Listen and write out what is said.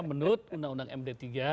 menurut undang undang md tiga